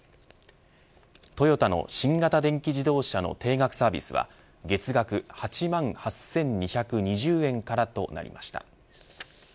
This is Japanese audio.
トヨタの新型電気自動車の定額サービスは月額８万８２２０円からとなりました。